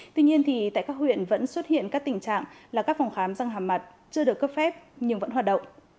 tuy nhiên thì tại các huyện vẫn xuất hiện các tình trạng là các phòng khám răng hàm mặt chưa được cấp phép nhưng vẫn hoạt động